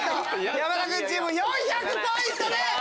山田君チーム４００ポイント。